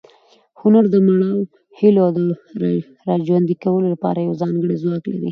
هنر د مړاوو هیلو د راژوندي کولو لپاره یو ځانګړی ځواک لري.